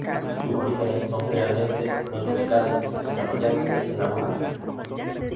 Sus orígenes son generalmente no tropicales desarrollándose en aguas abiertas.